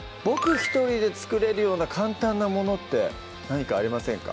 一人で作れるような簡単なものって何かありませんか？